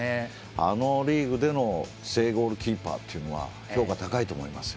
あのリーグでの正ゴールキーパーというのは評価、高いと思います。